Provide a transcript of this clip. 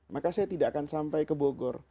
maka saya tidak akan sampai ke bogor